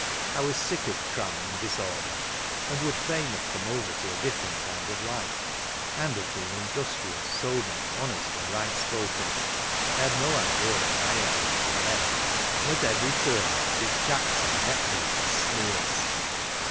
I was sick of crime and dis order, and would fain have come over to a different kind of life, and have been indus trious, sober, honest, and right spoken, (I had no idea of higher virtue then), and at every 328 HOUSEHOLD WORDS. [Conducted bjr turn Dic k Jackson met me with hi* sneers.